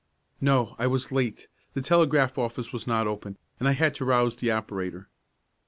"No, I was late. The telegraph office was not open, and I had to rouse the operator."